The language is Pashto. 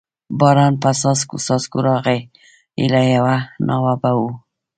باران په څاڅکو څاڅکو راغی، ایله یوه ناوه به و.